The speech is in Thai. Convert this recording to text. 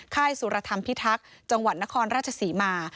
ค่ายสุรธรรมพิทักษ์จังหวัดนครราชศรีมา